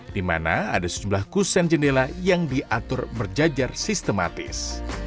di mana ada sejumlah kusen jendela yang diatur berjajar sistematis